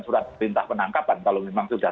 surat perintah penangkapan kalau memang sudah